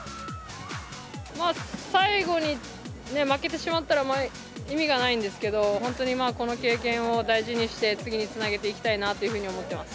最後に負けてしまったら、意味がないんですけど、本当にまあ、この経験を大事にして次につなげていきたいなというふうに思っています。